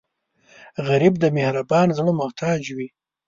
غریب د مهربان زړه محتاج وي